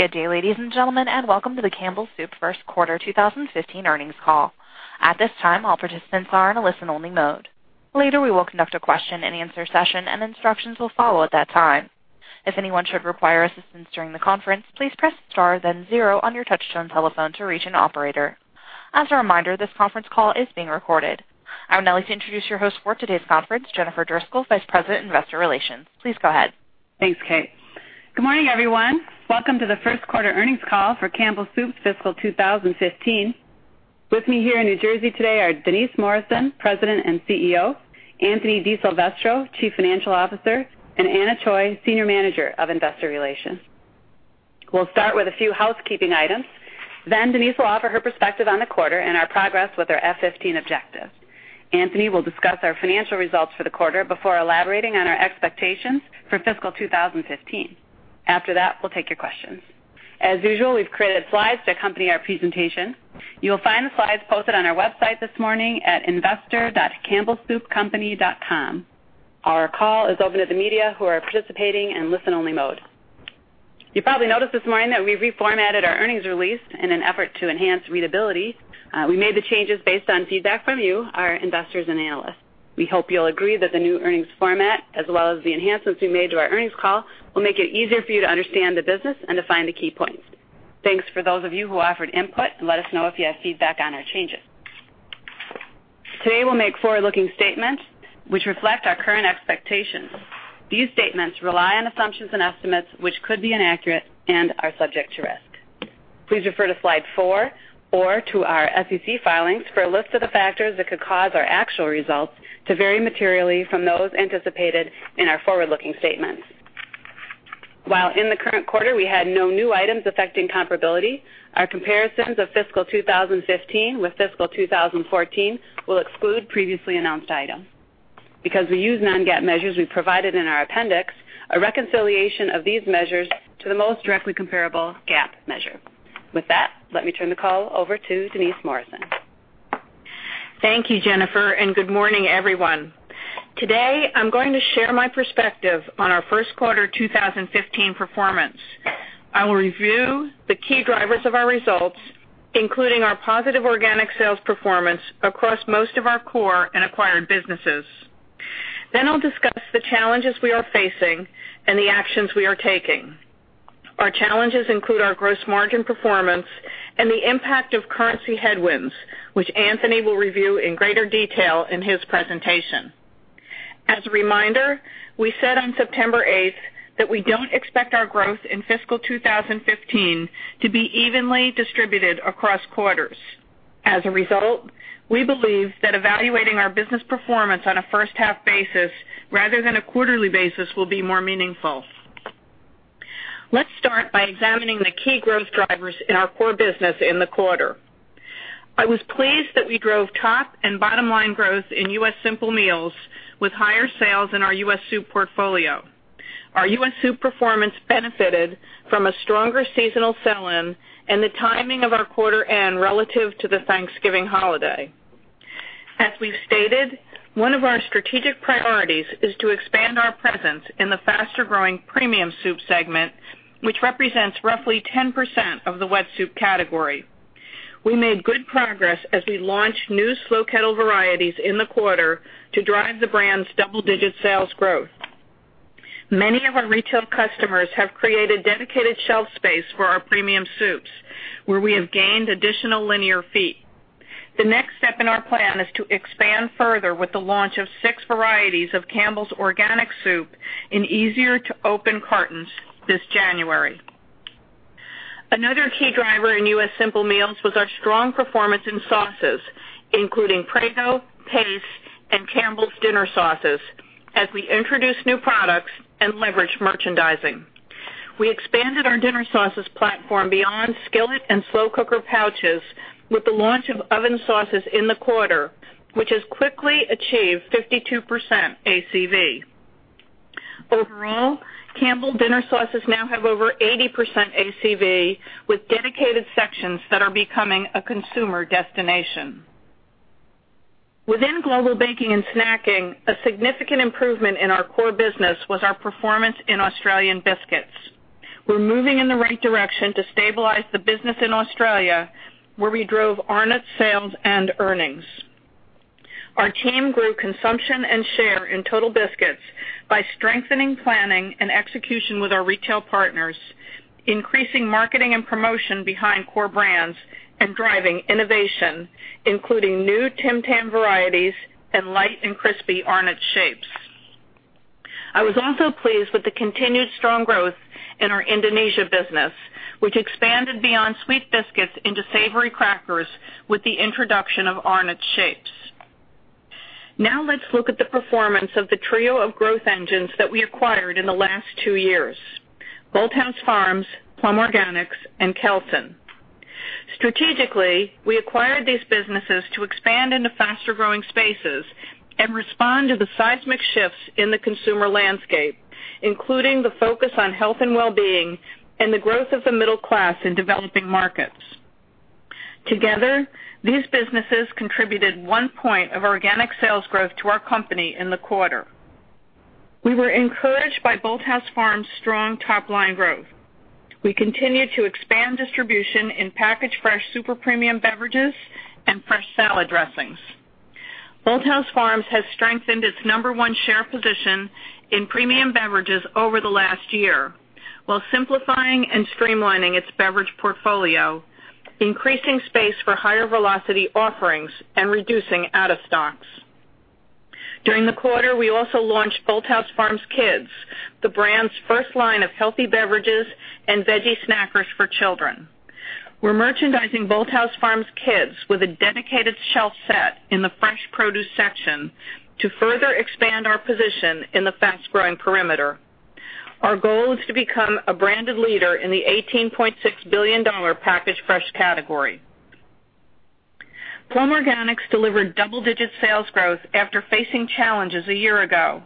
Good day, ladies and gentlemen, welcome to the Campbell Soup first quarter 2015 earnings call. At this time, all participants are in a listen-only mode. Later, we will conduct a question-and-answer session, instructions will follow at that time. If anyone should require assistance during the conference, please press star then zero on your touch-tone telephone to reach an operator. As a reminder, this conference call is being recorded. I would now like to introduce your host for today's conference, Jennifer Driscoll, Vice President Investor Relations. Please go ahead. Thanks, Kate. Good morning, everyone. Welcome to the first quarter earnings call for Campbell Soup fiscal 2015. With me here in New Jersey today are Denise Morrison, President and CEO, Anthony DiSilvestro, Chief Financial Officer, and Anna Choi, Senior Manager of Investor Relations. We'll start with a few housekeeping items. Denise will offer her perspective on the quarter and our progress with our F15 objectives. Anthony will discuss our financial results for the quarter before elaborating on our expectations for fiscal 2015. After that, we'll take your questions. As usual, we've created slides to accompany our presentation. You'll find the slides posted on our website this morning at investor.campbellsoupcompany.com. Our call is open to the media who are participating in listen-only mode. You probably noticed this morning that we reformatted our earnings release in an effort to enhance readability. We made the changes based on feedback from you, our investors and analysts. We hope you'll agree that the new earnings format, as well as the enhancements we made to our earnings call, will make it easier for you to understand the business and to find the key points. Thanks to those of you who offered input, let us know if you have feedback on our changes. Today, we'll make forward-looking statements that reflect our current expectations. These statements rely on assumptions and estimates which could be inaccurate and are subject to risk. Please refer to slide four or to our SEC filings for a list of the factors that could cause our actual results to vary materially from those anticipated in our forward-looking statements. While in the current quarter, we had no new items affecting comparability, our comparisons of fiscal 2015 with fiscal 2014 will exclude previously announced items. Because we use non-GAAP measures, we provided in our appendix a reconciliation of these measures to the most directly comparable GAAP measure. With that, let me turn the call over to Denise Morrison. Thank you, Jennifer, and good morning, everyone. Today, I'm going to share my perspective on our first quarter 2015 performance. I will review the key drivers of our results, including our positive organic sales performance across most of our core and acquired businesses. I'll discuss the challenges we are facing and the actions we are taking. Our challenges include our gross margin performance and the impact of currency headwinds, which Anthony will review in greater detail in his presentation. As a reminder, we said on September 8th that we don't expect our growth in fiscal 2015 to be evenly distributed across quarters. As a result, we believe that evaluating our business performance on a first-half basis rather than a quarterly basis will be more meaningful. Let's start by examining the key growth drivers in our core business in the quarter. I was pleased that we drove top and bottom-line growth in U.S. Simple Meals with higher sales in our U.S. soup portfolio. Our U.S. soup performance benefited from a stronger seasonal sell-in and the timing of our quarter end relative to the Thanksgiving holiday. As we've stated, one of our strategic priorities is to expand our presence in the faster-growing premium soup segment, which represents roughly 10% of the wet soup category. We made good progress as we launched new Slow Kettle varieties in the quarter to drive the brand's double-digit sales growth. Many of our retail customers have created dedicated shelf space for our premium soups, where we have gained additional linear feet. The next step in our plan is to expand further with the launch of six varieties of Campbell's Organic Soup in easier-to-open cartons this January. Another key driver in U.S. Simple Meals was our strong performance in sauces, including Prego, Pace, and Campbell's dinner sauces, as we introduced new products and leveraged merchandising. We expanded our dinner sauces platform beyond skillet and slow cooker pouches with the launch of oven sauces in the quarter, which has quickly achieved 52% ACV. Overall, Campbell dinner sauces now have over 80% ACV, with dedicated sections that are becoming a consumer destination. Within Global Baking and Snacking, a significant improvement in our core business was our performance in Australian biscuits. We're moving in the right direction to stabilize the business in Australia, where we drove Arnott's sales and earnings. Our team grew consumption and share in total biscuits by strengthening planning and execution with our retail partners, increasing marketing and promotion behind core brands, and driving innovation, including new Tim Tam varieties and light and crispy Arnott's Shapes. I was also pleased with the continued strong growth in our Indonesia business, which expanded beyond sweet biscuits into savory crackers with the introduction of Arnott's Shapes. Let's look at the performance of the trio of growth engines that we acquired in the last two years, Bolthouse Farms, Plum Organics, and Kelsen. Strategically, we acquired these businesses to expand into faster-growing spaces and respond to the seismic shifts in the consumer landscape, including the focus on health and wellbeing and the growth of the middle class in developing markets. Together, these businesses contributed one point of organic sales growth to our company in the quarter. We were encouraged by Bolthouse Farms' strong top-line growth. We continue to expand distribution in packaged fresh super premium beverages and fresh salad dressings. Bolthouse Farms has strengthened its number one share position in premium beverages over the last year, while simplifying and streamlining its beverage portfolio, increasing space for higher velocity offerings, and reducing out of stocks. During the quarter, we also launched Bolthouse Farms Kids, the brand's first line of healthy beverages and veggie snackers for children. We're merchandising Bolthouse Farms Kids with a dedicated shelf set in the fresh produce section to further expand our position in the fast-growing perimeter. Our goal is to become a branded leader in the $18.6 billion packaged fresh category. Plum Organics delivered double-digit sales growth after facing challenges a year ago.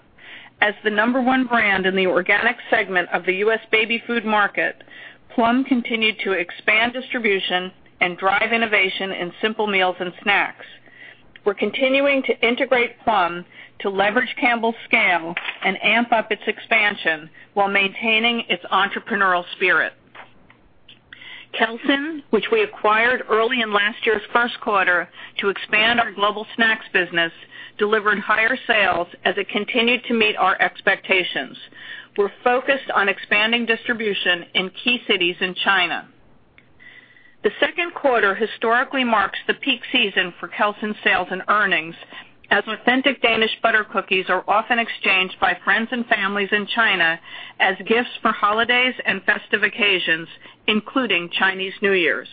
As the number one brand in the organic segment of the U.S. baby food market, Plum continued to expand distribution and drive innovation in simple meals and snacks. We're continuing to integrate Plum to leverage Campbell's scale and amp up its expansion while maintaining its entrepreneurial spirit. Kelsen, which we acquired early in last year's first quarter to expand our global snacks business, delivered higher sales as it continued to meet our expectations. We're focused on expanding distribution in key cities in China. The second quarter historically marks the peak season for Kelsen sales and earnings, as authentic Danish butter cookies are often exchanged by friends and families in China as gifts for holidays and festive occasions, including Chinese New Year.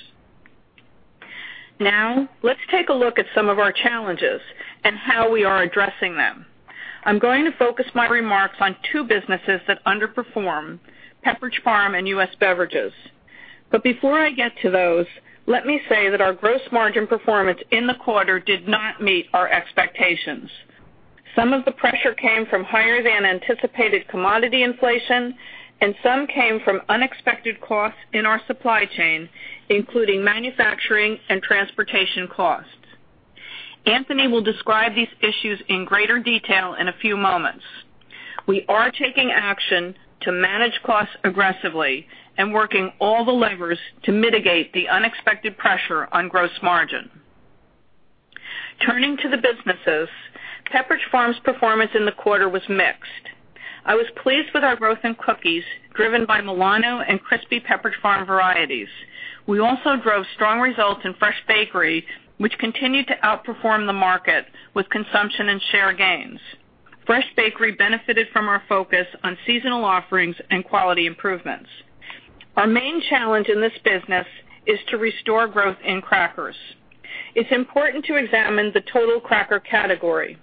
Let's take a look at some of our challenges and how we are addressing them. I'm going to focus my remarks on two businesses that underperformed, Pepperidge Farm and U.S. Beverages. Before I get to those, let me say that our gross margin performance in the quarter did not meet our expectations. Some of the pressure came from higher than anticipated commodity inflation, and some came from unexpected costs in our supply chain, including manufacturing and transportation costs. Anthony will describe these issues in greater detail in a few moments. We are taking action to manage costs aggressively and working all the levers to mitigate the unexpected pressure on gross margin. Turning to the businesses, Pepperidge Farm's performance in the quarter was mixed. I was pleased with our growth in cookies, driven by Milano and crispy Pepperidge Farm varieties. We also drove strong results in Fresh Bakery, which continued to outperform the market with consumption and share gains. Fresh Bakery benefited from our focus on seasonal offerings and quality improvements. Our main challenge in this business is to restore growth in crackers. It's important to examine the total cracker category.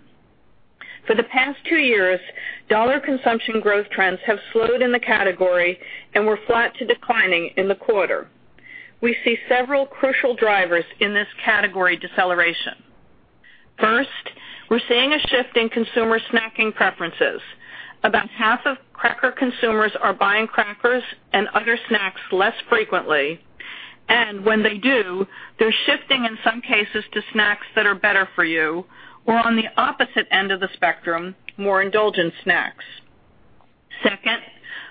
For the past two years, dollar consumption growth trends have slowed in the category and were flat to declining in the quarter. We see several crucial drivers in this category deceleration. First, we're seeing a shift in consumer snacking preferences. About half of cracker consumers are buying crackers and other snacks less frequently, and when they do, they're shifting, in some cases, to snacks that are better for you or on the opposite end of the spectrum, more indulgent snacks. Second,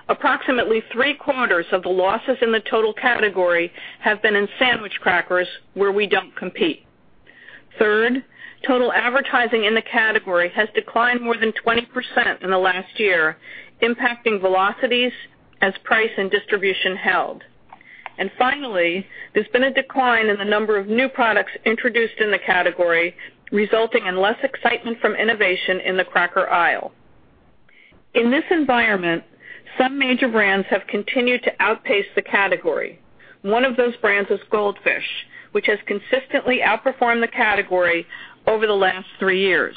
approximately three-quarters of the losses in the total category have been in sandwich crackers, where we don't compete. Third, total advertising in the category has declined more than 20% in the last year, impacting velocities as price and distribution held. Finally, there's been a decline in the number of new products introduced in the category, resulting in less excitement from innovation in the cracker aisle. In this environment, some major brands have continued to outpace the category. One of those brands is Goldfish, which has consistently outperformed the category over the last three years.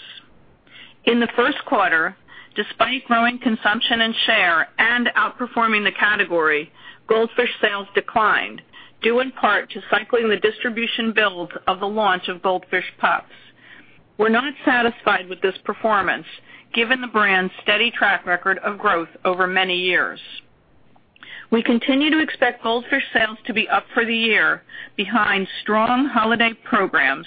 In the first quarter, despite growing consumption and share and outperforming the category, Goldfish sales declined, due in part to cycling the distribution build of the launch of Goldfish Puffs. We're not satisfied with this performance, given the brand's steady track record of growth over many years. We continue to expect Goldfish sales to be up for the year behind strong holiday programs,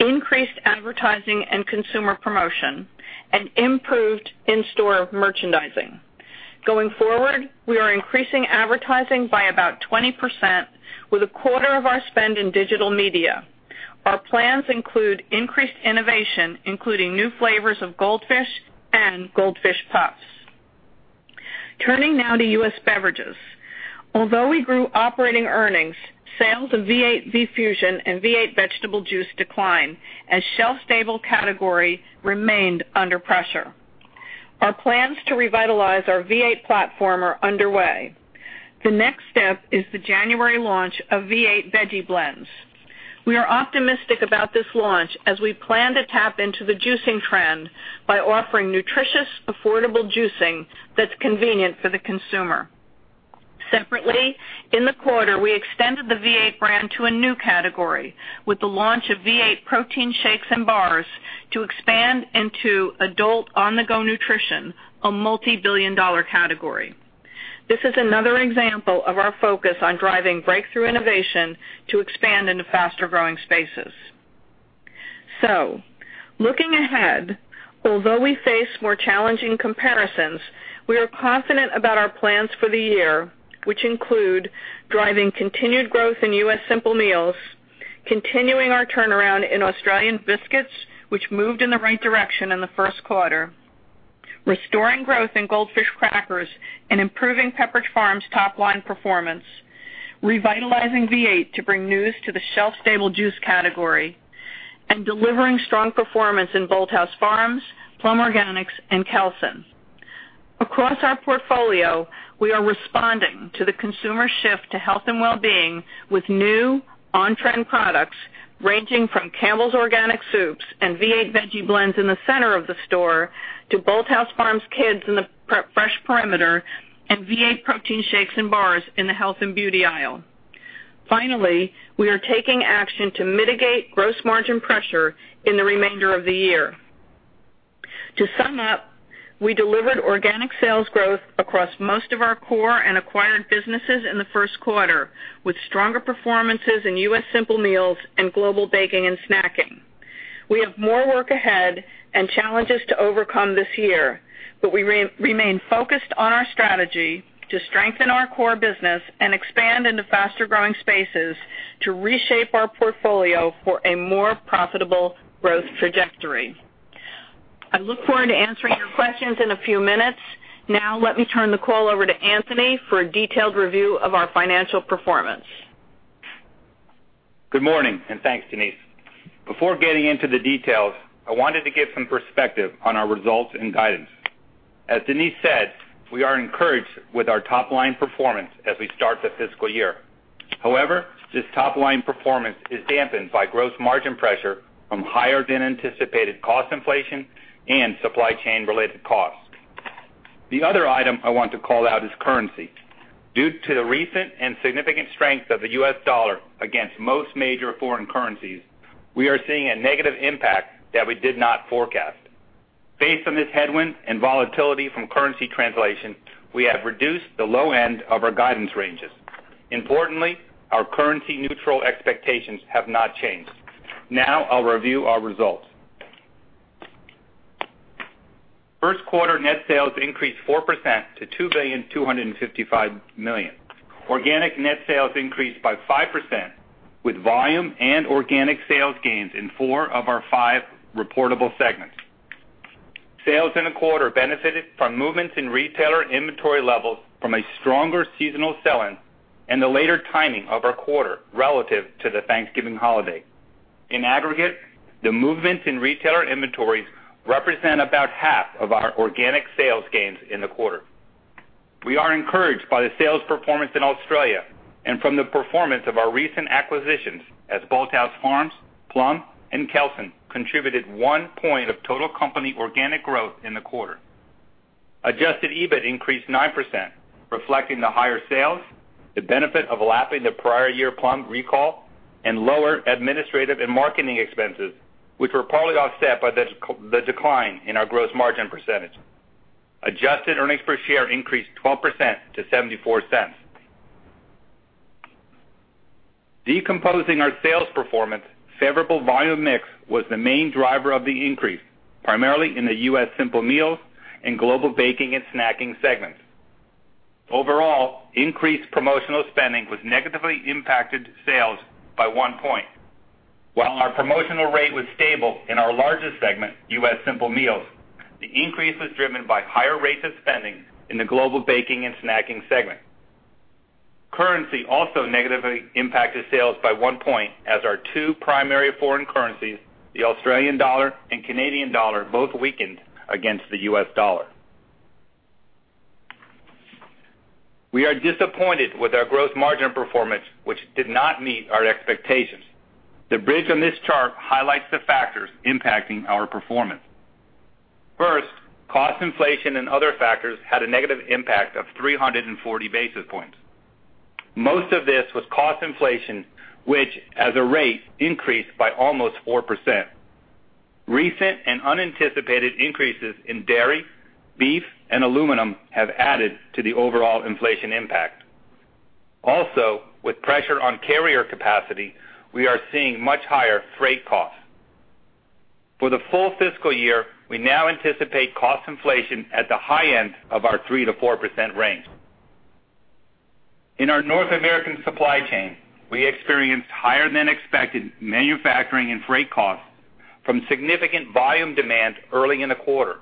increased advertising and consumer promotion, and improved in-store merchandising. Going forward, we are increasing advertising by about 20% with a quarter of our spend in digital media. Our plans include increased innovation, including new flavors of Goldfish and Goldfish Puffs. Turning now to U.S. Beverages. Although we grew operating earnings, sales of V8 V-Fusion and V8 vegetable juice declined as shelf-stable category remained under pressure. Our plans to revitalize our V8 platform are underway. The next step is the January launch of V8 Veggie Blends. We are optimistic about this launch as we plan to tap into the juicing trend by offering nutritious, affordable juicing that's convenient for the consumer. Separately, in the quarter, we extended the V8 brand to a new category with the launch of V8 Protein shakes and bars to expand into adult on-the-go nutrition, a multibillion-dollar category. This is another example of our focus on driving breakthrough innovation to expand into faster-growing spaces. Looking ahead, although we face more challenging comparisons, we are confident about our plans for the year, which include driving continued growth in U.S. Simple Meals, continuing our turnaround in Australian biscuits, which moved in the right direction in the first quarter, restoring growth in Goldfish crackers, and improving Pepperidge Farm's top-line performance, revitalizing V8 to bring news to the shelf-stable juice category, and delivering strong performance in Bolthouse Farms, Plum Organics and Kelsen. Across our portfolio, we are responding to the consumer shift to health and wellbeing with new on-trend products, ranging from Campbell's Organic Soups and V8 Veggie Blends in the center of the store to Bolthouse Farms Kids in the fresh perimeter and V8 Protein shakes and bars in the health and beauty aisle. Finally, we are taking action to mitigate gross margin pressure in the remainder of the year. To sum up, we delivered organic sales growth across most of our core and acquired businesses in the first quarter, with stronger performances in U.S. Simple Meals and Global Baking and Snacking. We have more work ahead and challenges to overcome this year, but we remain focused on our strategy to strengthen our core business and expand into faster-growing spaces to reshape our portfolio for a more profitable growth trajectory. I look forward to answering your questions in a few minutes. Now, let me turn the call over to Anthony for a detailed review of our financial performance. Good morning, and thanks, Denise. Before getting into the details, I wanted to give some perspective on our results and guidance. As Denise said, we are encouraged with our top-line performance as we start the fiscal year. However, this top-line performance is dampened by gross margin pressure from higher than anticipated cost inflation and supply chain-related costs. The other item I want to call out is currency. Due to the recent and significant strength of the US dollar against most major foreign currencies, we are seeing a negative impact that we did not forecast. Based on this headwind and volatility from currency translation, we have reduced the low end of our guidance ranges. Importantly, our currency-neutral expectations have not changed. Now I'll review our results. First quarter net sales increased 4% to $2,255,000,000. Organic net sales increased by 5%, with volume and organic sales gains in four of our five reportable segments. Sales in the quarter benefited from movements in retailer inventory levels from a stronger seasonal sell-in and the later timing of our quarter relative to the Thanksgiving holiday. In aggregate, the movements in retailer inventories represent about half of our organic sales gains in the quarter. We are encouraged by the sales performance in Australia and from the performance of our recent acquisitions as Bolthouse Farms, Plum, and Kelsen contributed one point of total company organic growth in the quarter. Adjusted EBIT increased 9%, reflecting the higher sales, the benefit of lapping the prior year Plum recall, and lower administrative and marketing expenses, which were partly offset by the decline in our gross margin percentage. Adjusted earnings per share increased 12% to $0.74. Decomposing our sales performance, favorable volume mix was the main driver of the increase, primarily in the U.S. Simple Meals and Global Baking and Snacking segments. Overall, increased promotional spending has negatively impacted sales by one point. While our promotional rate was stable in our largest segment, U.S. Simple Meals, the increase was driven by higher rates of spending in the Global Baking and Snacking segment. Currency also negatively impacted sales by one point as our two primary foreign currencies, the Australian dollar and Canadian dollar, both weakened against the US dollar. We are disappointed with our gross margin performance, which did not meet our expectations. The bridge on this chart highlights the factors impacting our performance. First, cost inflation and other factors had a negative impact of 340 basis points. Most of this was cost inflation, which as a rate increased by almost 4%. Recent and unanticipated increases in dairy, beef, and aluminum have added to the overall inflation impact. Also, with pressure on carrier capacity, we are seeing much higher freight costs. For the full fiscal year, we now anticipate cost inflation at the high end of our 3%-4% range. In our North American supply chain, we experienced higher than expected manufacturing and freight costs from significant volume demand early in the quarter.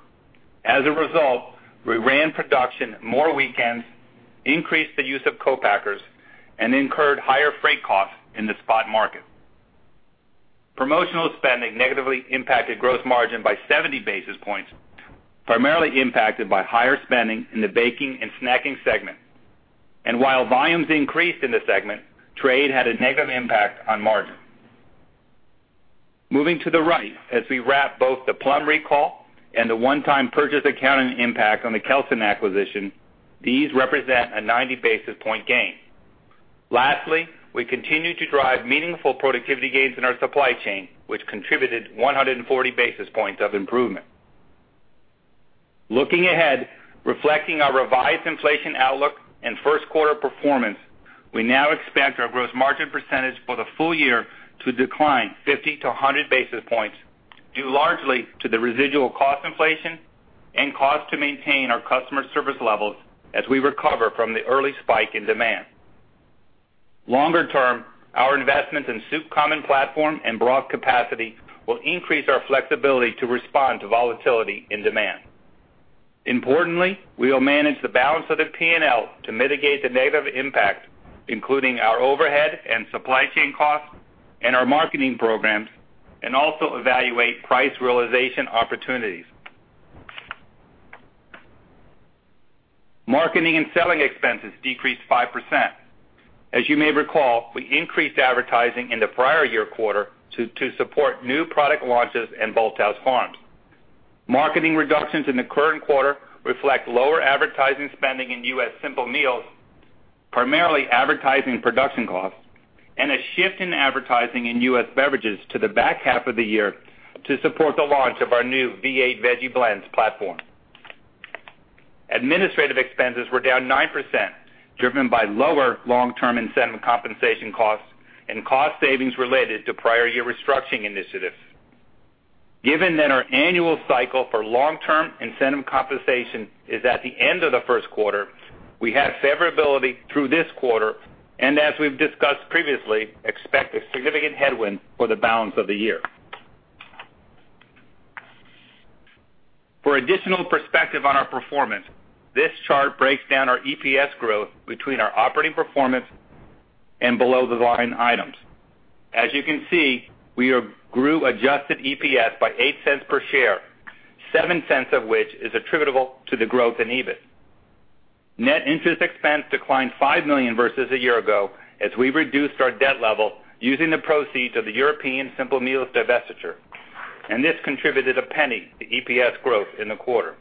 As a result, we ran production more weekends, increased the use of co-packers, and incurred higher freight costs in the spot market. Promotional spending negatively impacted gross margin by 70 basis points, primarily impacted by higher spending in the Global Baking and Snacking segment. While volumes increased in the segment, trade had a negative impact on margin. Moving to the right, as we wrap both the Plum recall and the one-time purchase accounting impact on the Kelsen acquisition, these represent a 90-basis-point gain. Lastly, we continue to drive meaningful productivity gains in our supply chain, which contributed 140 basis points of improvement. Looking ahead, reflecting our revised inflation outlook and first quarter performance, we now expect our gross margin percentage for the full year to decline 50 to 100 basis points, due largely to the residual cost inflation and cost to maintain our customer service levels as we recover from the early spike in demand. Longer term, our investment in Soup common platform and broth capacity will increase our flexibility to respond to volatility in demand. Importantly, we will manage the balance of the P&L to mitigate the negative impact, including our overhead and supply chain costs and our marketing programs, and also evaluate price realization opportunities. Marketing and selling expenses decreased 5%. As you may recall, we increased advertising in the prior year quarter to support new product launches in Bolthouse Farms. Marketing reductions in the current quarter reflect lower advertising spending in U.S. Simple Meals, primarily advertising production costs, and a shift in advertising in U.S. Beverages to the back half of the year to support the launch of our new V8 Veggie Blends platform. Administrative expenses were down 9%, driven by lower long-term incentive compensation costs and cost savings related to prior year restructuring initiatives. Given that our annual cycle for long-term incentive compensation is at the end of the first quarter, we have favorability through this quarter, and as we've discussed previously, expect a significant headwind for the balance of the year. For additional perspective on our performance, this chart breaks down our EPS growth between our operating performance and below the line items. As you can see, we grew adjusted EPS by $0.08 per share, $0.07 of which is attributable to the growth in EBIT. Net interest expense declined $5 million versus a year ago as we reduced our debt level using the proceeds of the European Simple Meals divestiture, and this contributed $0.01 to EPS growth in the quarter.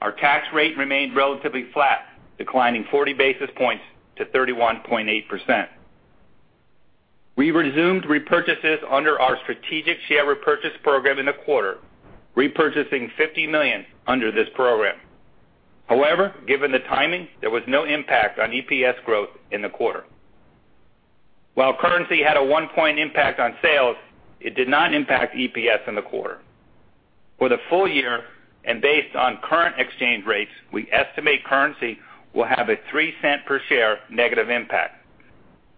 Our tax rate remained relatively flat, declining 40 basis points to 31.8%. We resumed repurchases under our strategic share repurchase program in the quarter, repurchasing $50 million under this program. Given the timing, there was no impact on EPS growth in the quarter. While currency had a 1-point impact on sales, it did not impact EPS in the quarter. For the full year and based on current exchange rates, we estimate currency will have a $0.03 per share negative impact.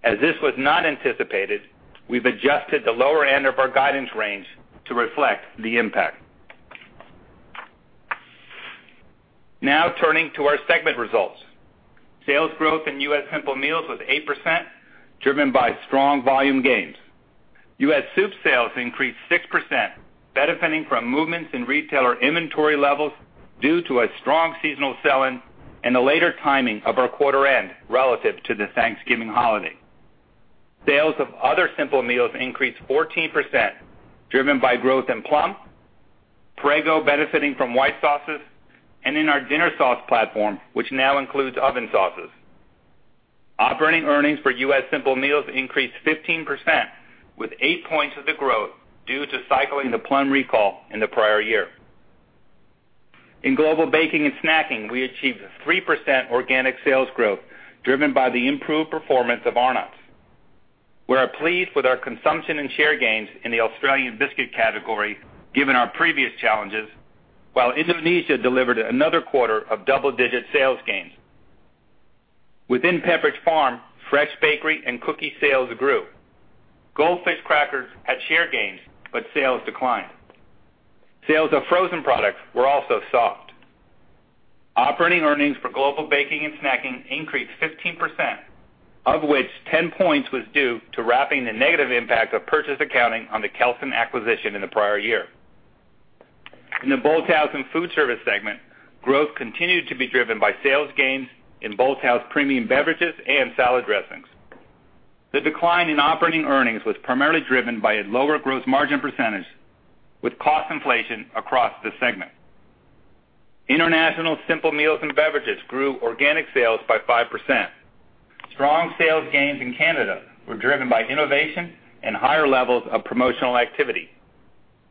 This was not anticipated, we've adjusted the lower end of our guidance range to reflect the impact. Turning to our segment results. Sales growth in U.S. Simple Meals was 8%, driven by strong volume gains. U.S. Soup sales increased 6%, benefiting from movements in retailer inventory levels due to a strong seasonal sell-in and a later timing of our quarter end relative to the Thanksgiving holiday. Sales of other Simple Meals increased 14%, driven by growth in Plum, Prego benefiting from white sauces, and in our dinner sauce platform, which now includes oven sauces. Operating earnings for U.S. Simple Meals increased 15%, with eight points of the growth due to cycling the Plum recall in the prior year. In Global Baking and Snacking, we achieved a 3% organic sales growth, driven by the improved performance of Arnott's. We are pleased with our consumption and share gains in the Australian biscuit category given our previous challenges, while Indonesia delivered another quarter of double-digit sales gains. Within Pepperidge Farm, Fresh Bakery and cookie sales grew. Goldfish crackers had share gains, but sales declined. Sales of frozen products were also soft. Operating earnings for Global Baking and Snacking increased 15%, of which 10 points was due to wrapping the negative impact of purchase accounting on the Kelsen acquisition in the prior year. In the Bolthouse and Foodservice segment, growth continued to be driven by sales gains in Bolthouse premium beverages and salad dressings. The decline in operating earnings was primarily driven by a lower gross margin percentage, with cost inflation across the segment. International Simple Meals and Beverages grew organic sales by 5%. Strong sales gains in Canada were driven by innovation and higher levels of promotional activity.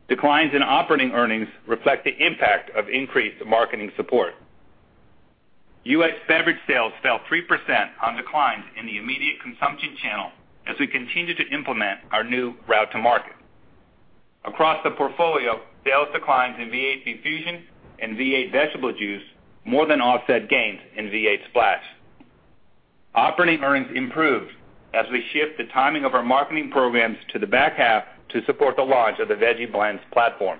Declines in operating earnings reflect the impact of increased marketing support. U.S. Beverage sales fell 3% on declines in the immediate consumption channel as we continue to implement our new route to market. Across the portfolio, sales declines in V8 V-Fusion and V8 Vegetable Juice more than offset gains in V8 Splash. Operating earnings improved as we shift the timing of our marketing programs to the back half to support the launch of the Veggie Blends platform.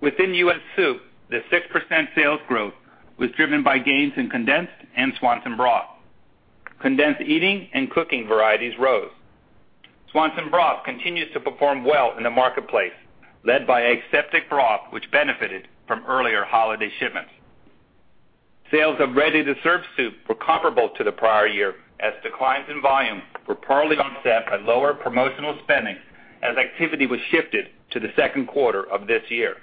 Within U.S. Soup, the 6% sales growth was driven by gains in Condensed and Swanson broth. Condensed eating and cooking varieties rose. Swanson broth continues to perform well in the marketplace, led by aseptic broth, which benefited from earlier holiday shipments. Sales of ready-to-serve soup were comparable to the prior year as declines in volume were partly offset by lower promotional spending as activity was shifted to the second quarter of this year.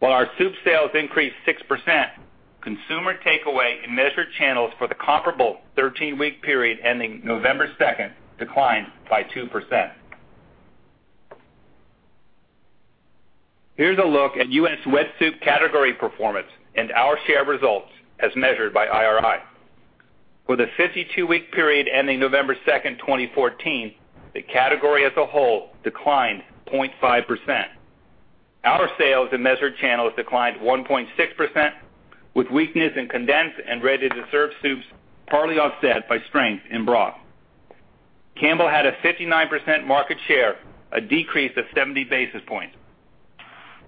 While our soup sales increased 6%, consumer takeaway in measured channels for the comparable 13-week period ending November 2nd declined by 2%. Here's a look at U.S. wet soup category performance and our share results as measured by IRI. For the 52-week period ending November 2nd, 2014, the category as a whole declined 0.5%. Our sales in measured channels declined 1.6%, with weakness in Condensed and ready-to-serve soups partly offset by strength in broth. Campbell had a 59% market share, a decrease of 70 basis points.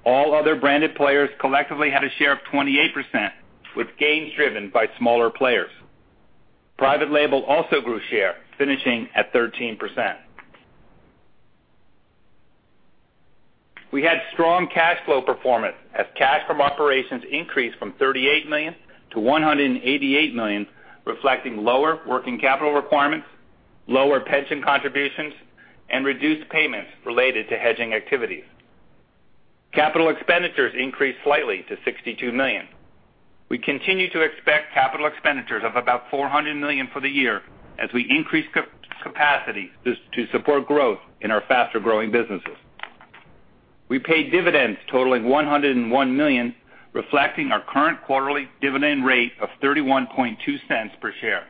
All other branded players collectively had a share of 28%, with gains driven by smaller players. Private label also grew share, finishing at 13%. We had strong cash flow performance, as cash from operations increased from $38 million to $188 million, reflecting lower working capital requirements, lower pension contributions, and reduced payments related to hedging activities. Capital expenditures increased slightly to $62 million. We continue to expect capital expenditures of about $400 million for the year as we increase capacity to support growth in our faster-growing businesses. We paid dividends totaling $101 million, reflecting our current quarterly dividend rate of $0.312 per share.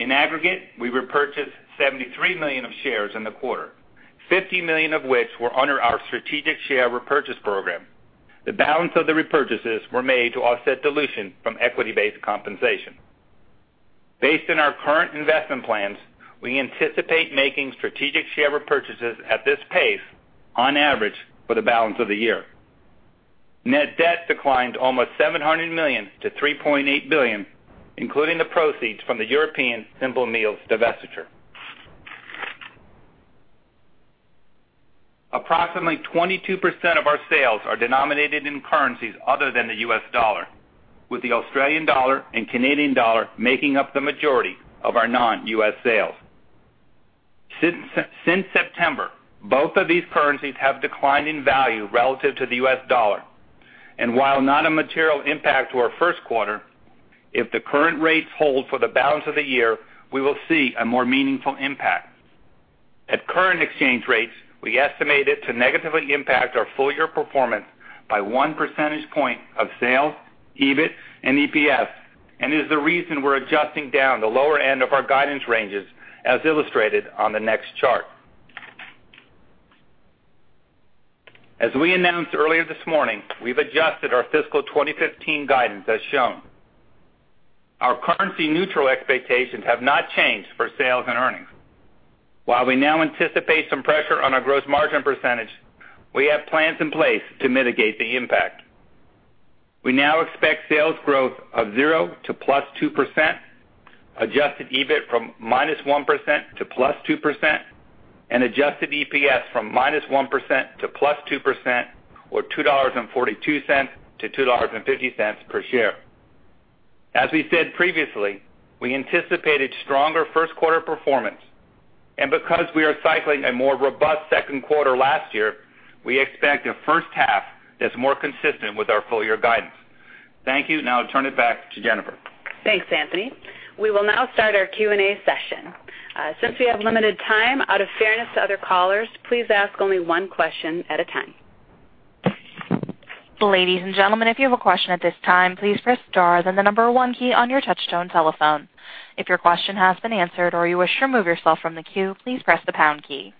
In aggregate, we repurchased $73 million of shares in the quarter, $50 million of which were under our strategic share repurchase program. The balance of the repurchases were made to offset dilution from equity-based compensation. Based on our current investment plans, we anticipate making strategic share repurchases at this pace on average for the balance of the year. Net debt declined almost $700 million to $3.8 billion, including the proceeds from the European Simple Meals divestiture. Approximately 22% of our sales are denominated in currencies other than the U.S. dollar, with the Australian dollar and Canadian dollar making up the majority of our non-U.S. sales. Since September, both of these currencies have declined in value relative to the U.S. dollar, and while not a material impact to our first quarter, if the current rates hold for the balance of the year, we will see a more meaningful impact. At current exchange rates, we estimate it to negatively impact our full-year performance by one percentage point of sales, EBIT, and EPS, and is the reason we're adjusting down the lower end of our guidance ranges, as illustrated on the next chart. As we announced earlier this morning, we've adjusted our fiscal 2015 guidance as shown. Our currency-neutral expectations have not changed for sales and earnings. While we now anticipate some pressure on our gross margin percentage, we have plans in place to mitigate the impact. We now expect sales growth of 0% to +2%, adjusted EBIT from -1% to +2%, and adjusted EPS from -1% to +2%, or $2.42 to $2.50 per share. As we said previously, we anticipated stronger first quarter performance, because we are cycling a more robust second quarter last year, we expect a first half that's more consistent with our full-year guidance. Thank you. Now I'll turn it back to Jennifer. Thanks, Anthony. We will now start our Q&A session. Since we have limited time, out of fairness to other callers, please ask only one question at a time. Ladies and gentlemen, if you have a question at this time, please press star, then the number one key on your touchtone telephone. If your question has been answered or you wish to remove yourself from the queue, please press the pound key.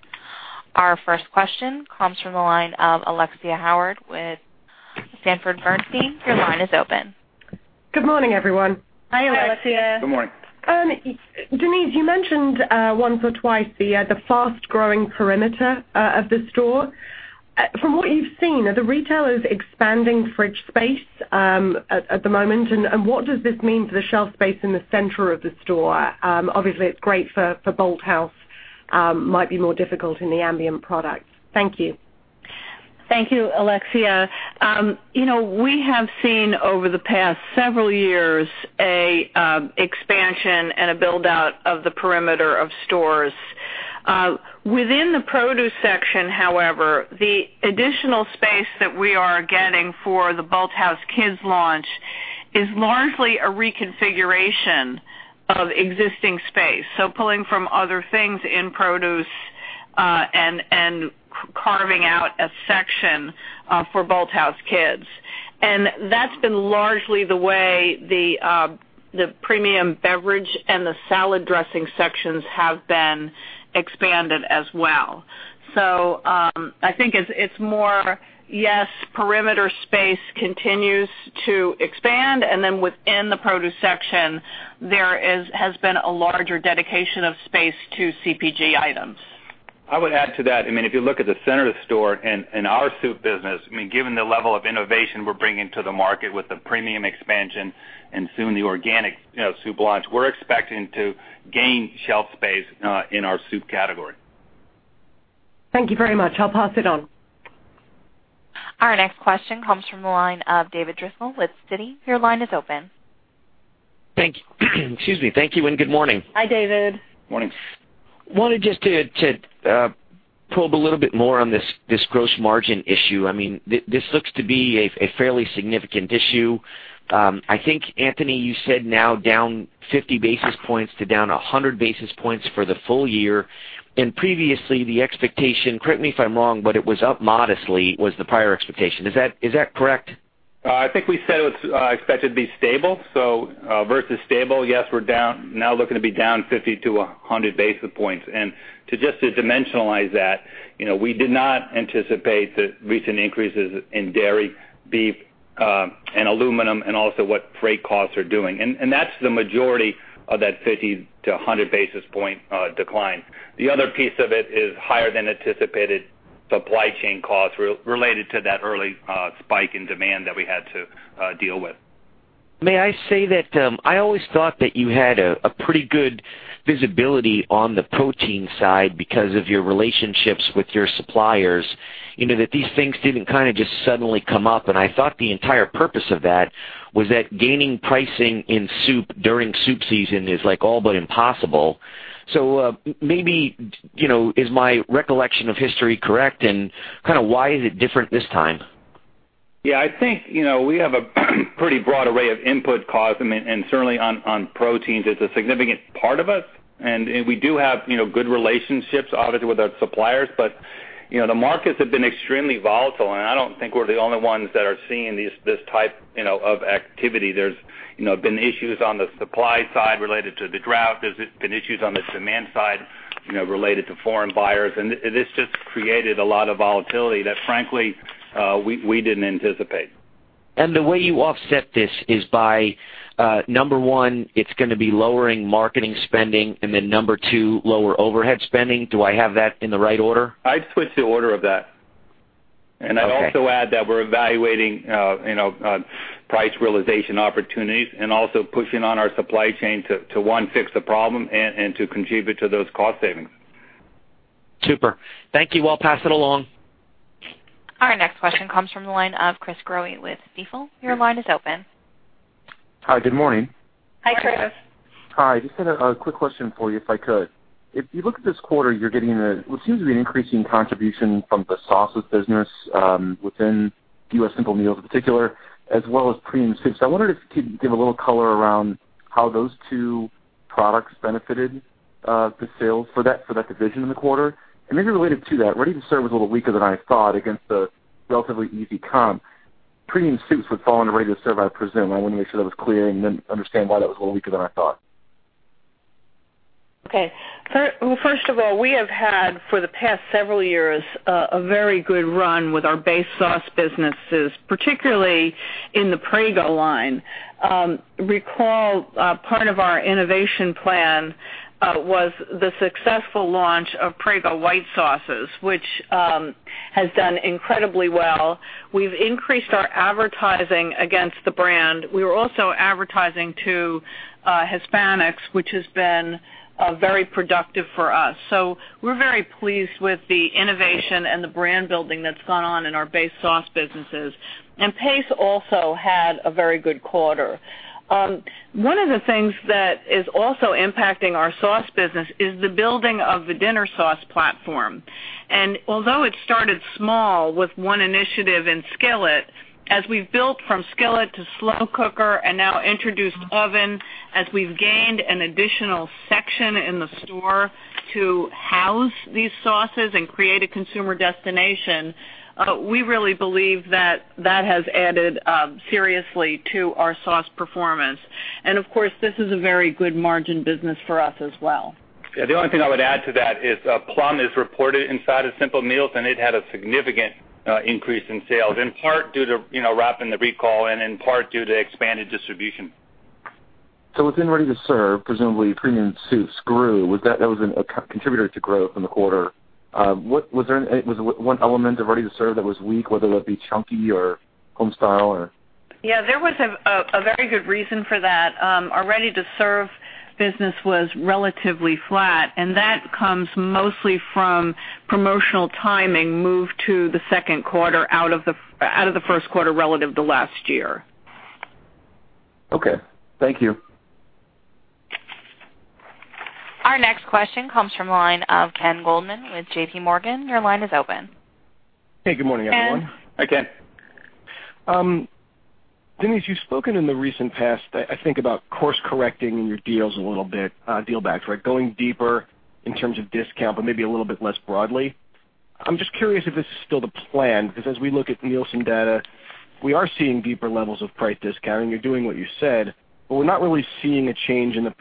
Our first question comes from the line of Alexia Howard with Sanford Bernstein. Your line is open. Good morning, everyone. Hi, Alexia. Good morning. Denise, you mentioned once or twice the fast-growing perimeter of the store. From what you've seen, are the retailers expanding fridge space at the moment? What does this mean for the shelf space in the center of the store? Obviously, it's great for Bolthouse, might be more difficult in the ambient products. Thank you. Thank you, Alexia. We have seen over the past several years an expansion and a build-out of the perimeter of stores. Within the produce section, however, the additional space that we are getting for the Bolthouse Kids launch is largely a reconfiguration of existing space. Pulling from other things in produce and carving out a section for Bolthouse Kids. That's been largely the way the premium beverage and the salad dressing sections have been expanded as well. I think it's more, yes, perimeter space continues to expand, and then within the produce section, there has been a larger dedication of space to CPG items. I would add to that, if you look at the center of the store and our soup business, given the level of innovation we're bringing to the market with the premium expansion and soon the organic soup launch, we're expecting to gain shelf space in our soup category. Thank you very much. I'll pass it on. Our next question comes from the line of David Driscoll with Citi. Your line is open. Thank you. Good morning. Hi, David. Morning. I wanted just to probe a little bit more on this gross margin issue. This looks to be a fairly significant issue. I think, Anthony, you said now down 50 basis points to down 100 basis points for the full year. Previously the expectation, correct me if I'm wrong, it was up modestly was the prior expectation. Is that correct? I think we said it's expected to be stable. Versus stable, yes, we're now looking to be down 50 to 100 basis points. Just to dimensionalize that, we did not anticipate the recent increases in dairy, beef, and aluminum and also what freight costs are doing. That's the majority of that 50 to 100 basis point decline. The other piece of it is higher than anticipated supply chain costs related to that early spike in demand that we had to deal with. May I say that I always thought that you had a pretty good visibility on the protein side because of your relationships with your suppliers, that these things didn't just suddenly come up, and I thought the entire purpose of that was that gaining pricing in soup during soup season is all but impossible. Maybe, is my recollection of history correct, and why is it different this time? Yeah, I think, we have a pretty broad array of input costs, and certainly on proteins, it's a significant part of us, and we do have good relationships, obviously, with our suppliers. The markets have been extremely volatile, and I don't think we're the only ones that are seeing this type of activity. There's been issues on the supply side related to the drought. There's been issues on the demand side related to foreign buyers, this just created a lot of volatility that, frankly, we didn't anticipate. The way you offset this is by, number one, it's gonna be lowering marketing spending, and then number two, lower overhead spending. Do I have that in the right order? I'd switch the order of that. Okay. I'd also add that we're evaluating on price realization opportunities and also pushing on our supply chain to, one, fix the problem and, two, contribute to those cost savings. Super. Thank you. I'll pass it along. Our next question comes from the line of Chris Growe with Stifel. Your line is open. Hi, good morning. Hi, Chris. Hi, just had a quick question for you, if I could. If you look at this quarter, you're getting what seems to be an increasing contribution from the sauces business, within U.S. Simple Meals particular, as well as Premium Soups. I wondered if you could give a little color around how those two products benefited the sales for that division in the quarter. Maybe related to that, Ready to Serve was a little weaker than I thought against the relatively easy comp. Premium Soups would fall under Ready to Serve, I presume. I want to make sure that was clear and then understand why that was a little weaker than I thought. Okay. Well, first of all, we have had for the past several years, a very good run with our base sauce businesses, particularly in the Prego line. Recall, part of our innovation plan was the successful launch of Prego Alfredo sauces, which has done incredibly well. We've increased our advertising against the brand. We're also advertising to Hispanics, which has been very productive for us. We're very pleased with the innovation and the brand building that's gone on in our base sauce businesses. Pace also had a very good quarter. One of the things that is also impacting our sauce business is the building of the dinner sauce platform. Although it started small with one initiative in skillet, as we've built from skillet to slow cooker and now introduced oven, as we've gained an additional section in the store to house these sauces and create a consumer destination, we really believe that that has added seriously to our sauce performance. Of course, this is a very good margin business for us as well. Yeah. The only thing I would add to that is Plum is reported inside of Simple Meals, and it had a significant increase in sales, in part due to wrapping the recall and in part due to expanded distribution. Within Ready to Serve, presumably Premium Soups grew. That was a contributor to growth in the quarter. Was there one element of Ready to Serve that was weak, whether that be chunky or home style or? Yeah, there was a very good reason for that. Our Ready to Serve business was relatively flat, and that comes mostly from promotional timing moved to the second quarter out of the first quarter relative to last year. Okay. Thank you. Our next question comes from the line of Ken Goldman with JP Morgan. Your line is open. Hey, good morning, everyone. Ken. Hi, Ken. Denise, you've spoken in the recent past, I think about course correcting your deals a little bit, deal backs, right? Going deeper in terms of discount, but maybe a little bit less broadly. I'm just curious if this is still the plan, because as we look at Nielsen data, we are seeing deeper levels of price discounting. You're doing what you said, but we're not really seeing a change in the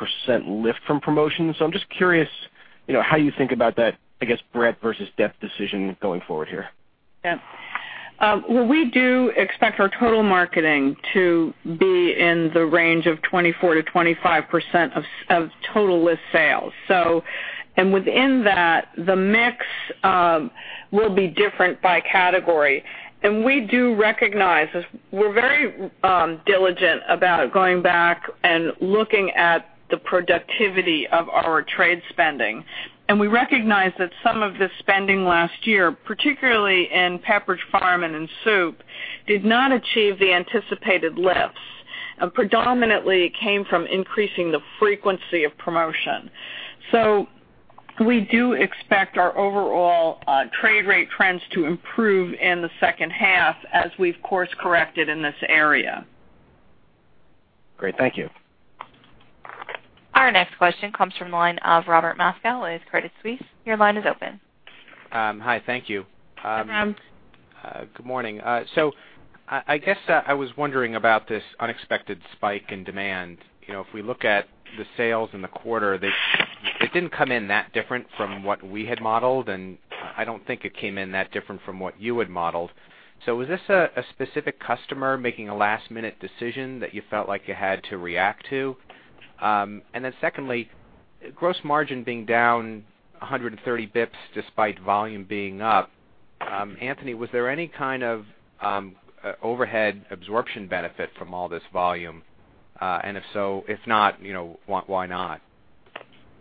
% lift from promotions. I'm just curious how you think about that, I guess, breadth versus depth decision going forward here. Yeah. Well, we do expect our total marketing to be in the range of 24%-25% of total list sales. Within that, the mix will be different by category. We do recognize this. We're very diligent about going back and looking at the productivity of our trade spending. We recognize that some of the spending last year, particularly in Pepperidge Farm and in soup, did not achieve the anticipated lifts. Predominantly, it came from increasing the frequency of promotion. We do expect our overall trade rate trends to improve in the second half as we've course-corrected in this area. Great. Thank you. Our next question comes from the line of Robert Moskow with Credit Suisse. Your line is open. Hi, thank you. Hi, Rob. Good morning. I guess I was wondering about this unexpected spike in demand. If we look at the sales in the quarter, it didn't come in that different from what we had modeled, I don't think it came in that different from what you had modeled. Was this a specific customer making a last-minute decision that you felt like you had to react to? Secondly, gross margin being down 130 basis points despite volume being up, Anthony, was there any kind of overhead absorption benefit from all this volume? If not, why not?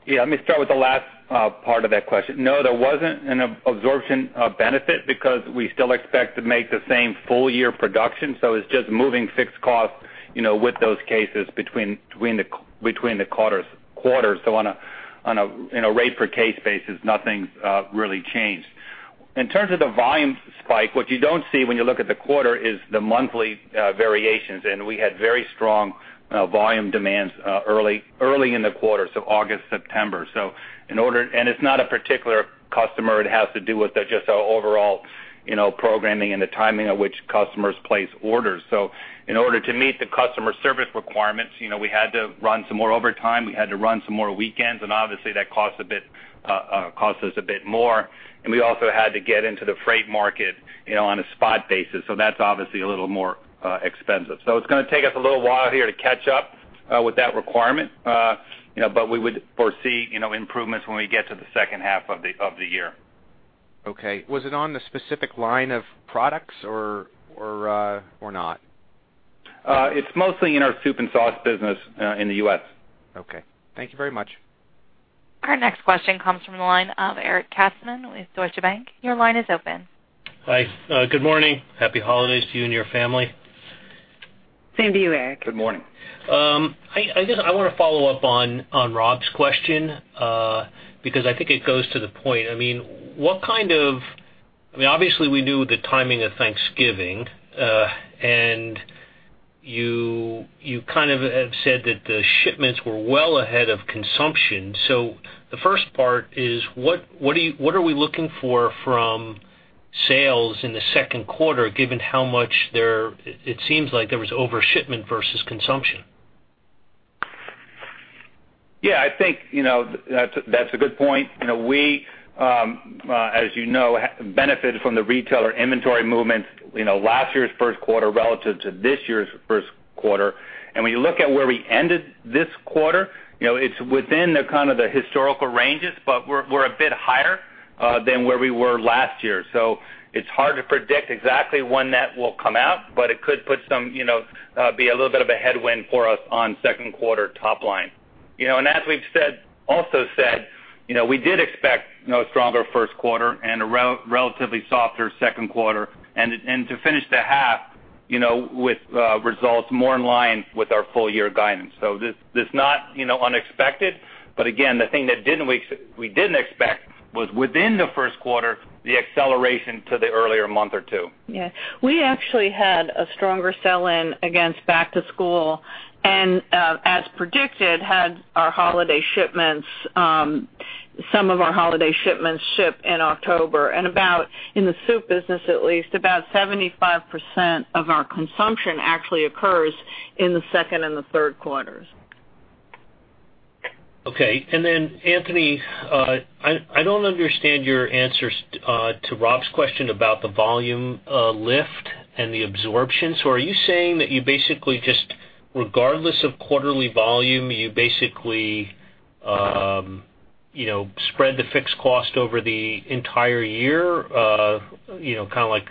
Let me start with the last part of that question. No, there wasn't an absorption benefit because we still expect to make the same full-year production, so it's just moving fixed costs with those cases between the quarters. On a rate per case basis, nothing's really changed. In terms of the volume spike, what you don't see when you look at the quarter is the monthly variations. We had very strong volume demands early in the quarter, so August, September. It's not a particular customer. It has to do with just our overall programming and the timing at which customers place orders. In order to meet the customer service requirements, we had to run some more overtime. We had to run some more weekends, obviously, that costs us a bit more. We also had to get into the freight market on a spot basis, so that's obviously a little more expensive. It's going to take us a little while here to catch up with that requirement. We would foresee improvements when we get to the second half of the year. Okay, was it on the specific line of products or not? It's mostly in our soup and sauce business in the U.S. Okay. Thank you very much. Our next question comes from the line of Eric Katzman with Deutsche Bank. Your line is open. Hi. Good morning. Happy holidays to you and your family. Same to you, Eric. Good morning. I want to follow up on Rob's question, because I think it goes to the point. Obviously, we knew the timing of Thanksgiving, and you kind of have said that the shipments were well ahead of consumption. The first part is, what are we looking for from sales in the second quarter, given how much it seems like there was over-shipment versus consumption? Yeah, I think that's a good point. We, as you know, benefited from the retailer inventory movements last year's first quarter relative to this year's first quarter. When you look at where we ended this quarter, it's within the historical ranges, but we're a bit higher than where we were last year. It's hard to predict exactly when that will come out, but it could be a little bit of a headwind for us on second quarter top line. As we've also said, we did expect a stronger first quarter and a relatively softer second quarter and to finish the half with results more in line with our full-year guidance. This is not unexpected, but again, the thing that we didn't expect was within the first quarter, the acceleration to the earlier month or two. Yeah. We actually had a stronger sell-in against back to school and as predicted, had some of our holiday shipments ship in October. In the soup business, at least, about 75% of our consumption actually occurs in the second and the third quarters. Okay. Anthony, I don't understand your answers to Rob's question about the volume lift and the absorption. Are you saying that you basically, regardless of quarterly volume, you basically spread the fixed cost over the entire year, kind of like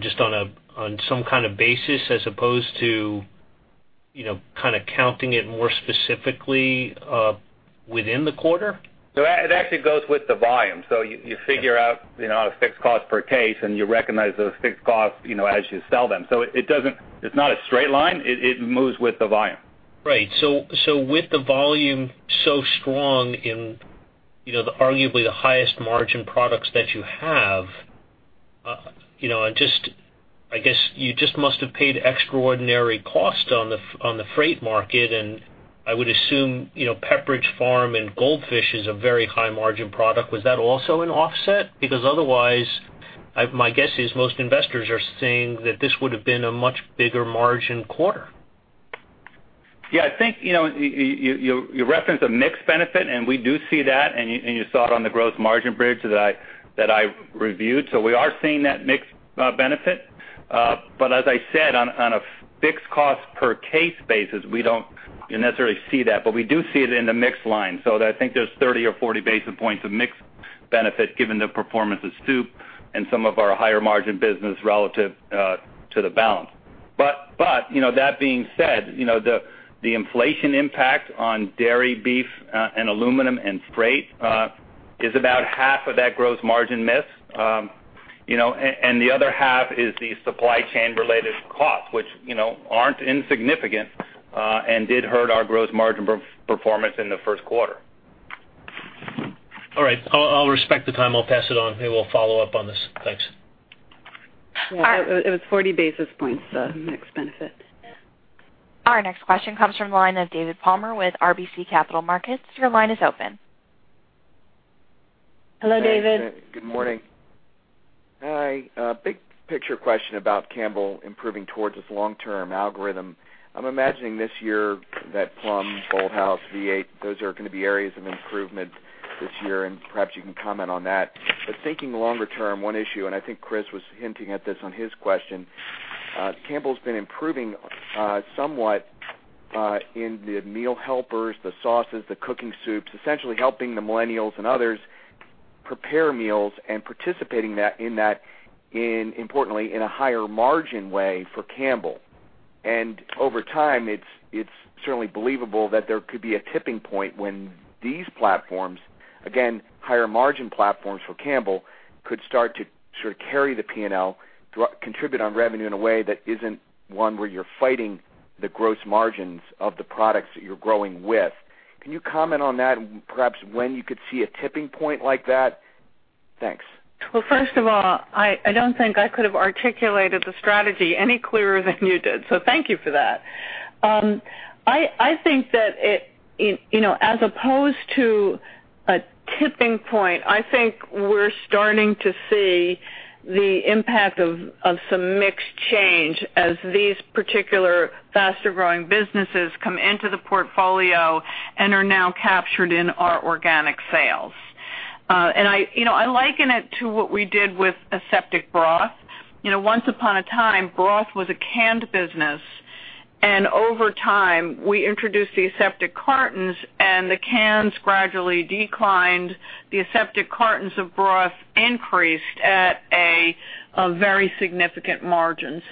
just on some kind of basis as opposed to counting it more specifically within the quarter? No, it actually goes with the volume. You figure out a fixed cost per case, and you recognize those fixed costs as you sell them. It's not a straight line. It moves with the volume. Right. With the volume so strong in arguably the highest margin products that you have, I guess you just must have paid extraordinary costs on the freight market, and I would assume Pepperidge Farm and Goldfish is a very high margin product. Was that also an offset? Because otherwise, my guess is most investors are saying that this would have been a much bigger margin quarter. Yeah, I think you referenced a mix benefit, and we do see that, and you saw it on the gross margin bridge that I reviewed. We are seeing that mix benefit. As I said, on a fixed cost per case basis, we don't necessarily see that, but we do see it in the mix line. I think there's 30 or 40 basis points of mix benefit given the performance of soup and some of our higher margin business relative to the balance. That being said, the inflation impact on dairy, beef, and aluminum and freight is about half of that gross margin miss. The other half is the supply chain-related costs, which aren't insignificant and did hurt our gross margin performance in the first quarter. All right. I'll respect the time. I'll pass it on. Maybe we'll follow up on this. Thanks. All right. It was 40 basis points, the mix benefit. Our next question comes from the line of David Palmer with RBC Capital Markets. Your line is open. Hello, David. Good morning. Hi. A big picture question about Campbell improving towards its long-term algorithm. I'm imagining this year that Plum, Bolthouse, V8, those are going to be areas of improvement this year, perhaps you can comment on that. Thinking longer term, one issue, and I think Chris was hinting at this on his question, Campbell's been improving somewhat, in the meal helpers, the sauces, the cooking soups, essentially helping the millennials and others prepare meals and participating in that, importantly, in a higher margin way for Campbell. Over time, it's certainly believable that there could be a tipping point when these platforms, again, higher margin platforms for Campbell, could start to carry the P&L, contribute on revenue in a way that isn't one where you're fighting the gross margins of the products that you're growing with. Can you comment on that, perhaps when you could see a tipping point like that? Thanks. Well, first of all, I don't think I could've articulated the strategy any clearer than you did, thank you for that. I think that as opposed to a tipping point, I think we're starting to see the impact of some mix change as these particular faster-growing businesses come into the portfolio and are now captured in our organic sales. I liken it to what we did with aseptic broth. Once upon a time, broth was a canned business, and over time, we introduced the aseptic cartons, and the cans gradually declined. The aseptic cartons of broth increased at a very significant margin.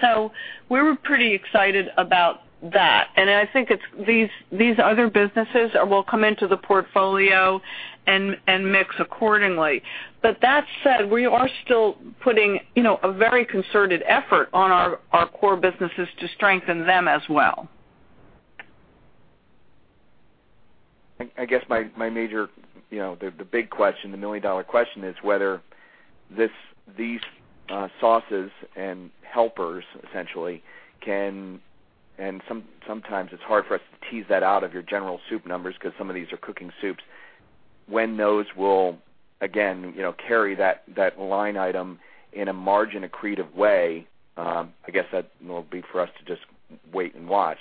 We're pretty excited about that. I think these other businesses will come into the portfolio and mix accordingly. That said, we are still putting a very concerted effort on our core businesses to strengthen them as well. I guess my major, the big question, the million-dollar question is whether these sauces and helpers, essentially, can. Sometimes it's hard for us to tease that out of your general soup numbers because some of these are cooking soups. When those will, again, carry that line item in a margin-accretive way, I guess that will be for us to just wait and watch.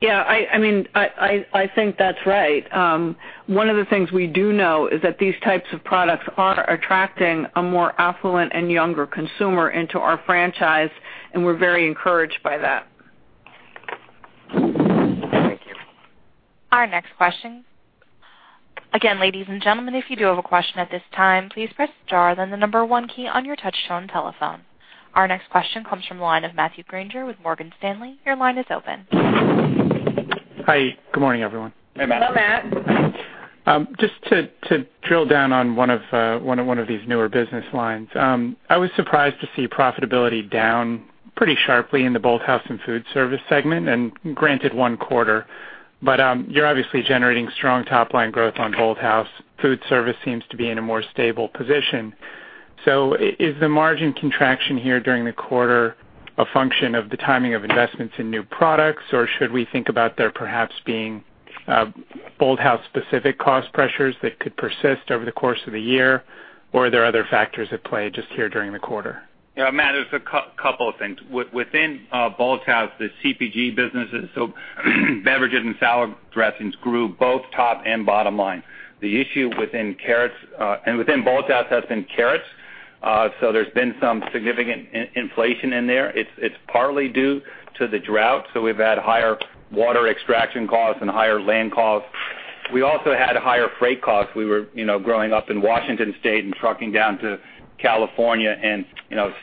Yeah, I think that's right. One of the things we do know is that these types of products are attracting a more affluent and younger consumer into our franchise, and we're very encouraged by that. Thank you. Our next question. Again, ladies and gentlemen, if you do have a question at this time, please press star, then the number one key on your touchtone telephone. Our next question comes from the line of Matthew Grainger with Morgan Stanley. Your line is open. Hi, good morning, everyone. Hey, Matt. Hello, Matt. Just to drill down on one of these newer business lines. I was surprised to see profitability down pretty sharply in the Bolthouse and Foodservice segment, and granted, one quarter, but you're obviously generating strong top-line growth on Bolthouse. Foodservice seems to be in a more stable position. Is the margin contraction here during the quarter a function of the timing of investments in new products, or should we think about there perhaps being Bolthouse-specific cost pressures that could persist over the course of the year? Are there other factors at play just here during the quarter? Yeah, Matt, it's a couple of things. Within Bolthouse, the CPG businesses, so beverages and salad dressings grew both top and bottom line. The issue within carrots, and within Bolthouse, has been carrots. There's been some significant inflation in there. It's partly due to the drought, so we've had higher water extraction costs and higher land costs. We also had higher freight costs. We were growing up in Washington State and trucking down to California and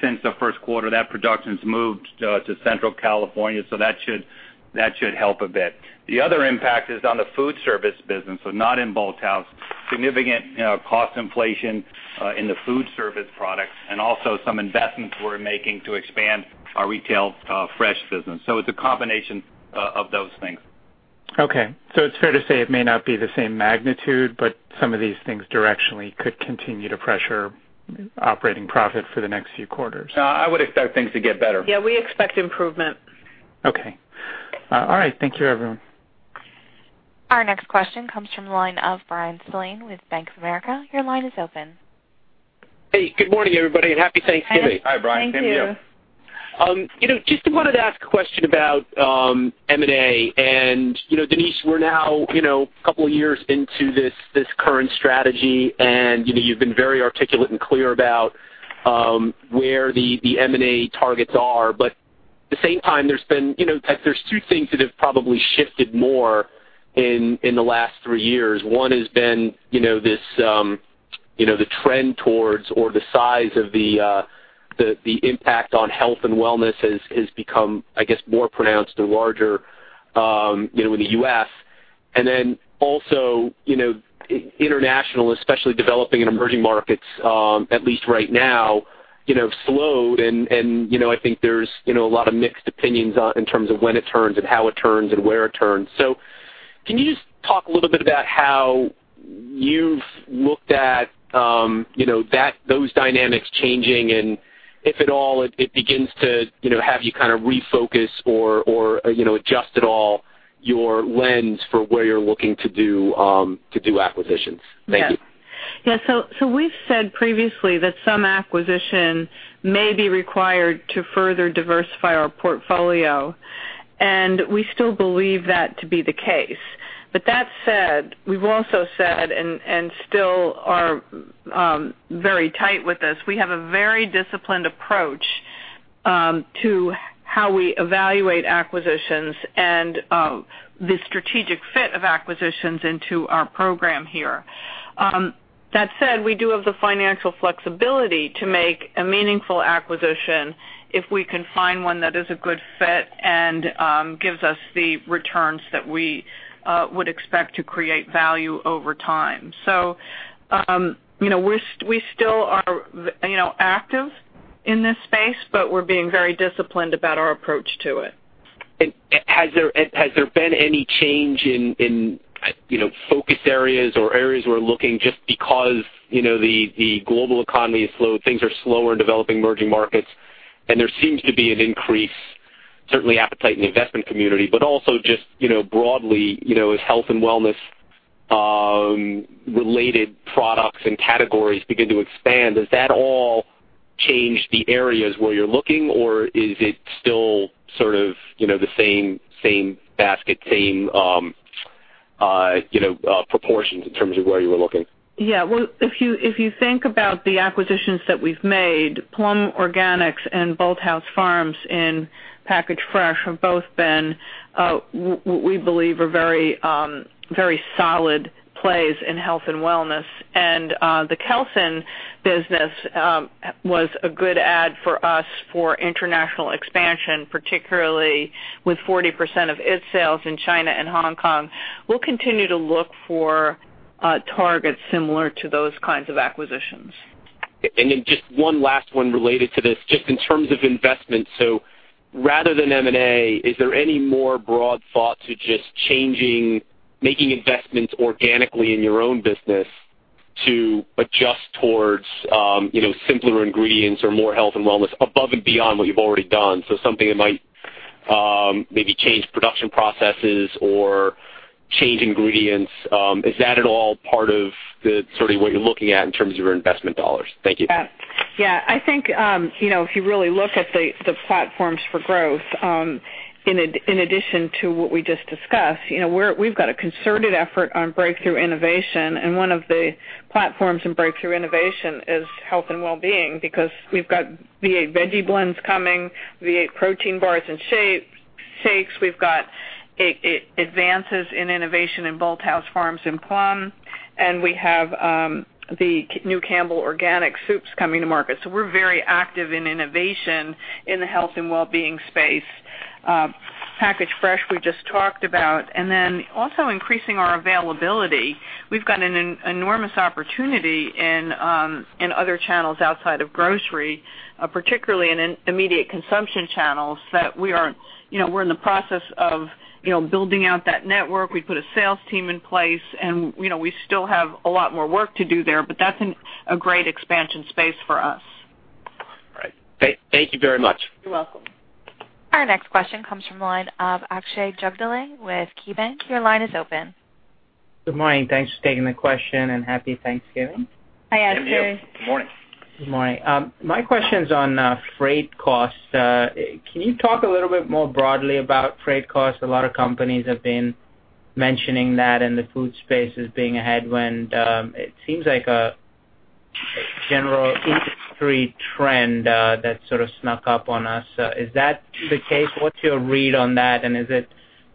since the first quarter, that production's moved to Central California, so that should help a bit. The other impact is on the Foodservice business, so not in Bolthouse. Significant cost inflation in the Foodservice products and also some investments we're making to expand our retail fresh business. It's a combination of those things. Okay. It's fair to say it may not be the same magnitude, but some of these things directionally could continue to pressure operating profit for the next few quarters. I would expect things to get better. Yeah, we expect improvement. Okay. All right. Thank you, everyone. Our next question comes from the line of Bryan Spillane with Bank of America. Your line is open. Hey, good morning, everybody, and Happy Thanksgiving. Hey. Hi, Brian. Same to you. Thank you. Just wanted to ask a question about M&A and, Denise, we're now a couple of years into this current strategy, and you've been very articulate and clear about where the M&A targets are. At the same time, there's two things that have probably shifted more in the last three years. One has been The trend towards or the size of the impact on health and wellness has become, I guess, more pronounced and larger in the U.S. Then also, international, especially developing and emerging markets, at least right now, have slowed and I think there's a lot of mixed opinions in terms of when it turns and how it turns and where it turns. Can you just talk a little bit about how you've looked at those dynamics changing and if at all it begins to have you kind of refocus or adjust at all your lens for where you're looking to do acquisitions? Thank you. Yes. We've said previously that some acquisition may be required to further diversify our portfolio, and we still believe that to be the case. That said, we've also said, and still are very tight with this, we have a very disciplined approach to how we evaluate acquisitions and the strategic fit of acquisitions into our program here. That said, we do have the financial flexibility to make a meaningful acquisition if we can find one that is a good fit and gives us the returns that we would expect to create value over time. We still are active in this space, but we're being very disciplined about our approach to it. Has there been any change in focus areas or areas where looking just because the global economy has slowed, things are slower in developing emerging markets, and there seems to be an increase, certainly appetite in the investment community, but also just broadly as health and wellness related products and categories begin to expand, does that all change the areas where you're looking or is it still sort of the same basket, same proportions in terms of where you were looking? Yeah. Well, if you think about the acquisitions that we've made, Plum Organics and Bolthouse Farms in packaged fresh have both been, what we believe are very solid plays in health and wellness. The Kelsen business was a good add for us for international expansion, particularly with 40% of its sales in China and Hong Kong. We'll continue to look for targets similar to those kinds of acquisitions. Just one last one related to this, just in terms of investment. Rather than M&A, is there any more broad thought to just changing, making investments organically in your own business to adjust towards simpler ingredients or more health and wellness above and beyond what you've already done? Something that might maybe change production processes or change ingredients. Is that at all part of the sort of what you're looking at in terms of your investment dollars? Thank you. I think, if you really look at the platforms for growth, in addition to what we just discussed, we've got a concerted effort on breakthrough innovation and one of the platforms in breakthrough innovation is health and wellbeing because we've got V8 Veggie Blends coming, V8 Protein bars and shakes. We've got advances in innovation in Bolthouse Farms and Plum, and we have the new Campbell's Organic Soups coming to market. We're very active in innovation in the health and wellbeing space. Packaged fresh, we've just talked about. Also increasing our availability. We've got an enormous opportunity in other channels outside of grocery, particularly in immediate consumption channels that we're in the process of building out that network. We put a sales team in place and we still have a lot more work to do there, but that's a great expansion space for us. All right. Thank you very much. You're welcome. Our next question comes from the line of Akshay Jagdale with KeyBanc. Your line is open. Good morning. Thanks for taking the question and happy Thanksgiving. Hi, Akshay. Same to you. Good morning. Good morning. My question's on freight costs. Can you talk a little bit more broadly about freight costs? A lot of companies have been mentioning that and the food space as being a headwind. It seems like a general industry trend that sort of snuck up on us. Is that the case? What's your read on that? Is it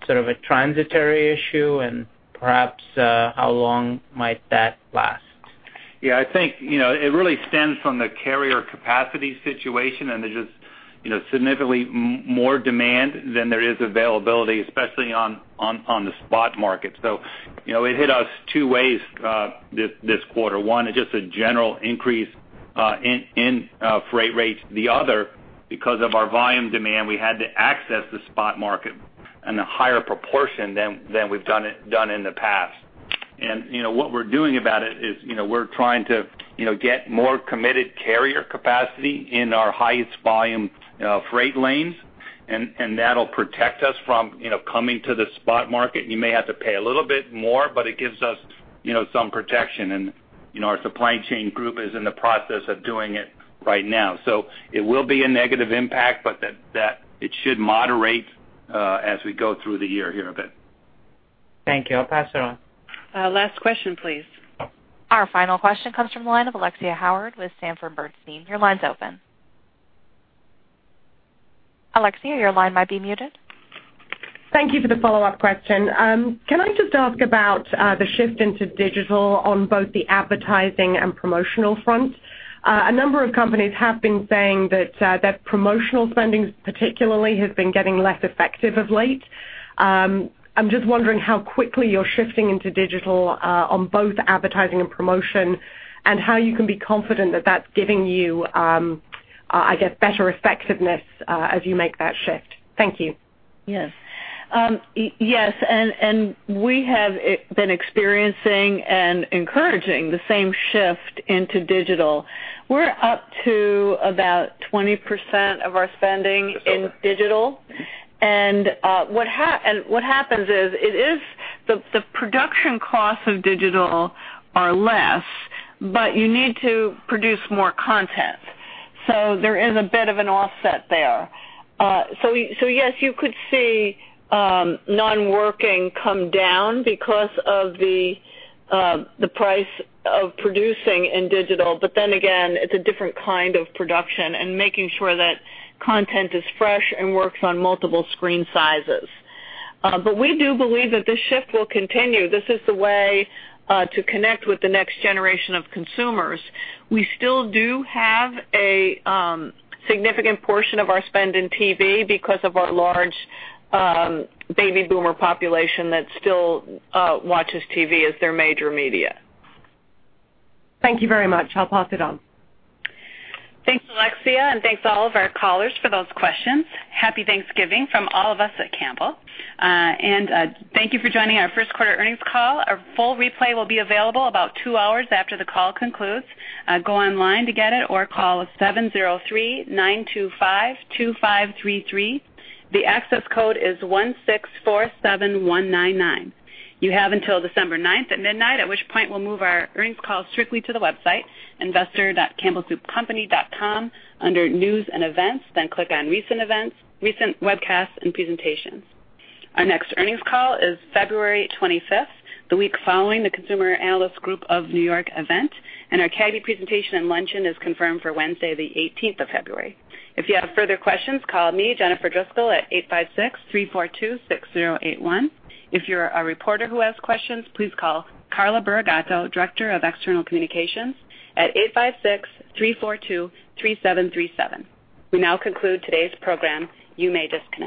sort of a transitory issue and perhaps, how long might that last? Yeah, I think it really stems from the carrier capacity situation and there's just significantly more demand than there is availability, especially on the spot market. It hit us two ways this quarter. One is just a general increase in freight rates. The other, because of our volume demand, we had to access the spot market in a higher proportion than we've done in the past. What we're doing about it is we're trying to get more committed carrier capacity in our highest volume freight lanes, and that'll protect us from coming to the spot market. You may have to pay a little bit more, but it gives us some protection. Our supply chain group is in the process of doing it right now. It will be a negative impact, but it should moderate as we go through the year here a bit. Thank you. I'll pass it on. Last question, please. Our final question comes from the line of Alexia Howard with Sanford Bernstein. Your line's open. Alexia, your line might be muted. Thank you for the follow-up question. Can I just ask about the shift into digital on both the advertising and promotional front? A number of companies have been saying that their promotional spendings particularly have been getting less effective of late. I'm just wondering how quickly you're shifting into digital, on both advertising and promotion, and how you can be confident that that's giving you, I guess, better effectiveness as you make that shift. Thank you. Yes. Yes, we have been experiencing and encouraging the same shift into digital. We're up to about 20% of our spending in digital. What happens is the production costs of digital are less, but you need to produce more content. There is a bit of an offset there. Yes, you could see non-working come down because of the price of producing in digital. Again, it's a different kind of production and making sure that content is fresh and works on multiple screen sizes. We do believe that this shift will continue. This is the way to connect with the next generation of consumers. We still do have a significant portion of our spend in TV because of our large baby boomer population that still watches TV as their major media. Thank you very much. I'll pass it on. Thanks, Alexia, thanks all of our callers for those questions. Happy Thanksgiving from all of us at Campbell. Thank you for joining our first quarter earnings call. Our full replay will be available about two hours after the call concludes. Go online to get it, or call 703-925-2533. The access code is 1647199. You have until December ninth at midnight, at which point we'll move our earnings call strictly to the website, investor.campbellsoupcompany.com, under news and events, then click on recent events, recent webcasts, and presentations. Our next earnings call is February 25th, the week following the Consumer Analyst Group of New York event, and our CAGNY presentation and luncheon is confirmed for Wednesday the 18th of February. If you have further questions, call me, Jennifer Driscoll, at 856-342-6081. If you're a reporter who has questions, please call Carla Burigatto, Director of External Communications, at 856-342-3737. We now conclude today's program. You may disconnect.